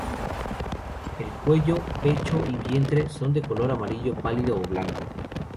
El cuello, pecho y vientre son de color amarillo pálido o blanco.